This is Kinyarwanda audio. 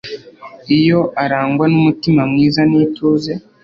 iyo arangwa n'umutima mwiza n'ituze